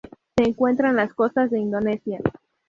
Se encuentra en las costas de Indonesia.